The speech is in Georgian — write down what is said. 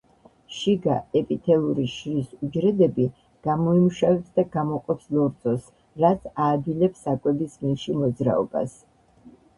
შიგა ეპითელური შრის უჯრედები გამოიმუშავებს და გამოყოფს ლორწოს, რაც აადვილებს საკვების მილში მოძრაობას.